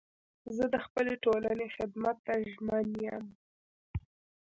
زه د خپلي ټولني خدمت ته ژمن یم.